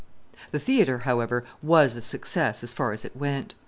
The theatre, however, was a success, as far as it went.